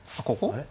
あれ？